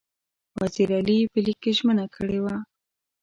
وزیر علي په لیک کې ژمنه کړې وه.